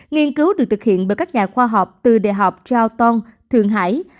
nghiên cứu được thực hiện bởi các nhà khoa học từ đại học charleston thượng hải